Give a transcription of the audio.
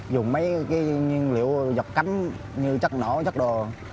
dùng mấy nhiên liệu dọc cánh như chất nổ chất đồ